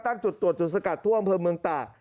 ตั้งจุดตรวจจุดสกัดท่วงเพิ่มเมืองต่า